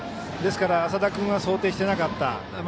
ですから、浅田君は想定していなかった。